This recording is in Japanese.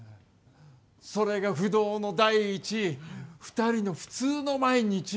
それが不動の第１位２人の普通の毎日